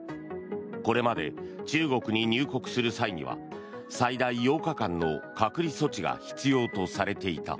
これまで中国に入国する際には最大８日間の隔離措置が必要とされていた。